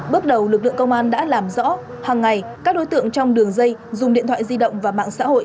bước đầu lực lượng công an đã làm rõ hàng ngày các đối tượng trong đường dây dùng điện thoại di động và mạng xã hội